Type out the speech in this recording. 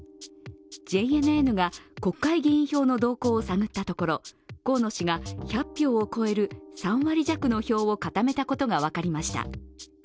ＪＮＮが国会議員票の動向を探ったところ、河野氏が１００票を超える３割弱の票を固めたことが分かりました。